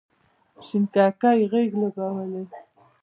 شینککۍ غیږ لوبوې،